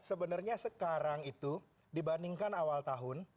sebenarnya sekarang itu dibandingkan awal tahun